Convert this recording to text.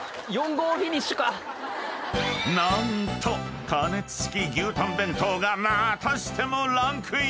［何と加熱式牛たん弁当がまたしてもランクイン！］